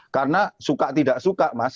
karena suka tidak suka mas